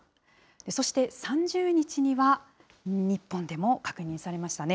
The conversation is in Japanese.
そして、３０日には日本でも確認されましたね。